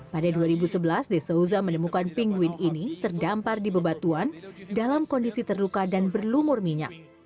pada dua ribu sebelas the souza menemukan pingguin ini terdampar di bebatuan dalam kondisi terluka dan berlumur minyak